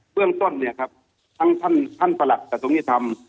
เบื้องต้นทั้งท่านสลัดแต่ตรงนี้ทำ